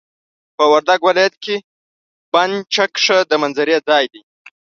په وردګ ولايت کي بند چک ښه د منظرې ځاي دي.